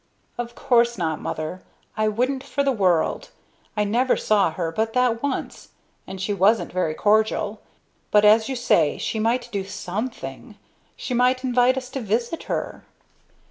"Of course not, mother; I wouldn't for the world. I never saw her but that once; and she wasn't very cordial. But, as you say, she might do something. She might invite us to visit her."